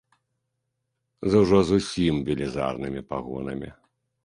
З ужо зусім велізарнымі пагонамі.